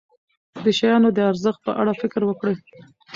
د شیانو د ارزښت په اړه فکر وکړئ.